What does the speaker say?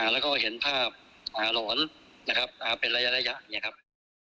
แล้วก็เห็นภาพหลอนนะครับเป็นระยะอย่างนี้ครับ